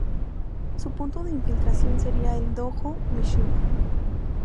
Su punto de infiltración sería el Dojo Mishima.